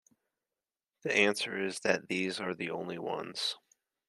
The answer is that these are the only ones.